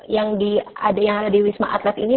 yang ada di wisma atlet ini